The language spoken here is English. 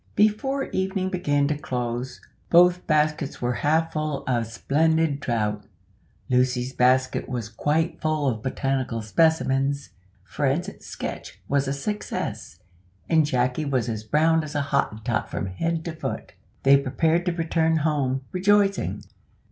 Before evening began to close, both baskets were half full of splendid trout; Lucy's basket was quite full of botanical specimens; Fred's sketch was a success, and Jacky was as brown as a Hottentot from head to foot. They prepared to return home, rejoicing.